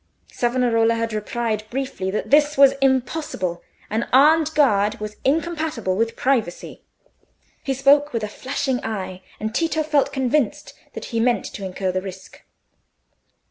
Savonarola had replied briefly that this was impossible: an armed guard was incompatible with privacy. He spoke with a flashing eye, and Tito felt convinced that he meant to incur the risk.